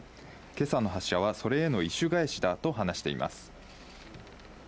今朝の発射はそれへの意趣返しだと話しています。